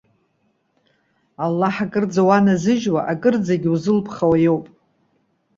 Аллаҳ акырӡа уаназыжьуа, акырӡагьы иузылыԥхауа иоуп.